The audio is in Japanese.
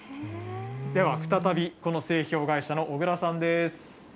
では再び、この製氷会社の小倉さんです。